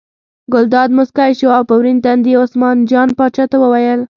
ګلداد موسکی شو او په ورین تندي یې عثمان جان پاچا ته وویل.